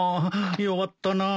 弱ったなあ。